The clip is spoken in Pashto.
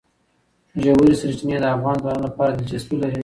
ژورې سرچینې د افغان ځوانانو لپاره دلچسپي لري.